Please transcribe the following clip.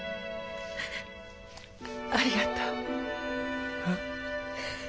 ありがとう。え。